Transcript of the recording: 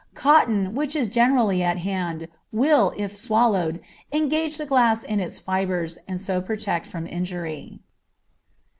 Cotton, which is generally at hand, will, if swallowed, engage the glass in its fibres, and so protect from injury.